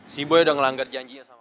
si boy udah ngelanggar janjinya sama